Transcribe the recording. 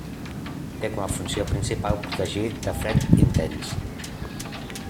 Té com a funció principal protegir de fred intens.